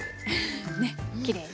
ハねっきれいに。